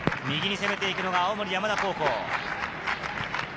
右に攻めて行くのが青森山田高校。